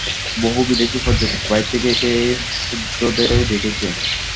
বহু বিদেশী পর্যটক বাহির থেকে এসে এই শূদ্রদেরই দেখেছে।